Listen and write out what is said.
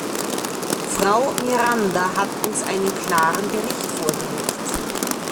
Frau Miranda hat uns einen klaren Bericht vorgelegt.